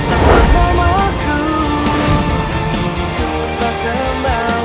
semoga kebaikan kalian